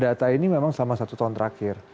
data ini memang selama satu tahun terakhir